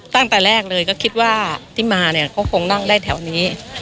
ตั้งแต่แรกเลยก็คิดว่าที่มาเนี่ยเขาคงนั่งได้แถวนี้